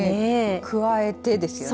加えて、ですよね。